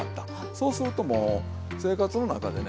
そうするともう生活の中でね